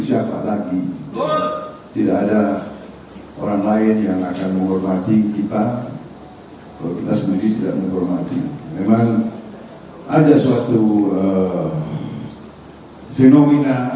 siapa lagi tidak ada orang lain yang akan menghormati kita sendiri tidak menghormati memang ada suatu fenomena